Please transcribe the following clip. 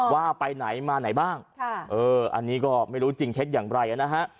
ว่าไปไหนมาไหนบ้างอันนี้ก็ไม่รู้จริงเท็จอย่างไรนะฮะ